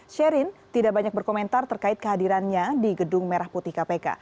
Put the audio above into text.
sherin tidak banyak berkomentar terkait kehadirannya di gedung merah putih kpk